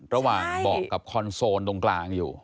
ระหว่างเบาะกับคอนโซลตรงกลางอยู่